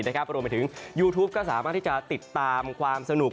รวมไปถึงยูทูปก็สามารถที่จะติดตามความสนุก